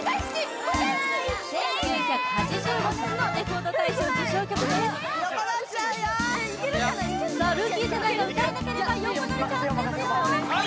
１９８５年のレコード大賞受賞曲ですさあルーキー世代が歌えなければ横取りチャンスですよさあ